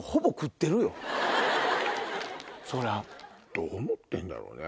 どう思ってるんだろうね